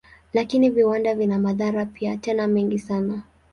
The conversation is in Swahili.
Lakini viwanda vina madhara pia, tena mengi sana.